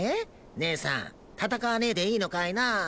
ねえさん戦わねえでいいのかいな。